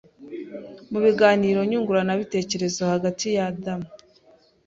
mu biganiro nyunguranabitekerezo hagati ya Adamu